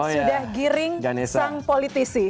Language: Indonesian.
sudah giring sang politisi